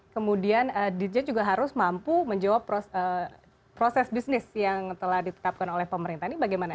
kemudian dj juga harus mampu menjawab proses bisnis yang telah ditetapkan oleh pemerintah ini bagaimana